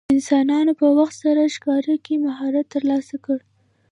انسانانو په وخت سره ښکار کې مهارت ترلاسه کړ.